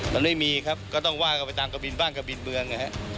มันไม่มีครับก็ต้องว่ากันไปตามกระบินบ้างกระบินเมืองนะฮะ